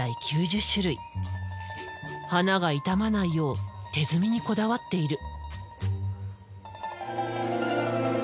花が傷まないよう手摘みにこだわっている。